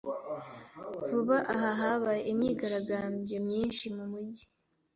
Vuba aha habaye imyigaragambyo myinshi mumujyi.